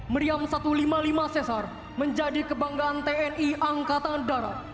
meriam satu ratus lima puluh lima cesar menjadi kebanggaan tni angkatan darat